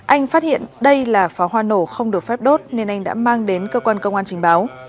anh phát hiện đây là pháo hoa nổ không được phép đốt nên anh đã mang đến cơ quan công an trình báo